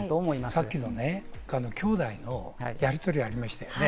さっきのきょうだいのやりとりありましたね。